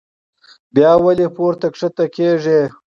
بيا ولې پورته کښته کيږي